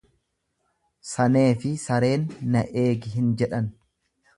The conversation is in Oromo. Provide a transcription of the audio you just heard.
Saneefi sareen na eegi hin jedhan.